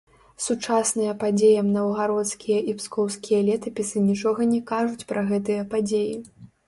Сучасныя падзеям наўгародскія і пскоўскія летапісы нічога не кажуць пра гэтыя падзеі.